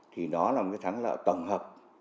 thì nó là một cái thắng lợi tổng hợp